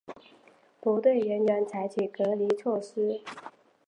不对人员采取隔离措施